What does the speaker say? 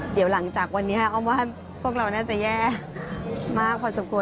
เดี๋ยวหลังจากวันนี้อ้อมว่าพวกเราน่าจะแย่มากพอสมควร